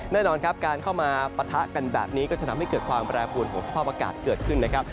แน่นอนครับการเข้ามาปะทะกันแบบนี้ก็จะทำให้เกิดความแปรปวนของสภาพอากาศเกิดขึ้นนะครับ